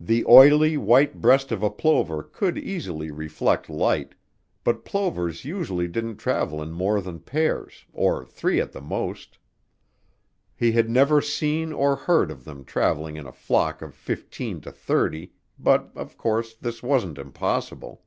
The oily white breast of a plover could easily reflect light, but plovers usually didn't travel in more than pairs, or three at the most. He had never seen or heard of them traveling in a flock of fifteen to thirty but, of course, this wasn't impossible.